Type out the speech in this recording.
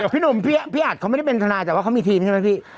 พี่หนุ่มพี่อัดเขาไม่ได้เป็นทนายแต่ว่าเขามีทีมใช่ไหมพี่